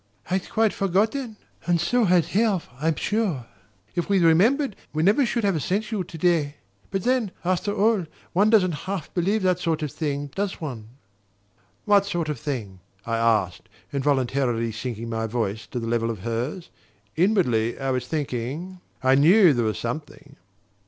"I'd quite forgotten and so had Herve, I'm sure. If we'd remembered, we never should have sent you today but then, after all, one doesn't half believe that sort of thing, does one?" "What sort of thing?" I asked, involuntarily sinking my voice to the level of hers. Inwardly I was thinking: "I KNEW there was something..."